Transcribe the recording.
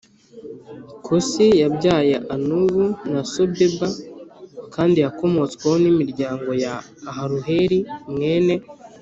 Kosi yabyaye Anubu na Sobeba kandi yakomotsweho n imiryango ya Aharuheli mwene